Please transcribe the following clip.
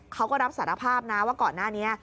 เขาก็รับสารภาพนะว่าก่อนหน้านี้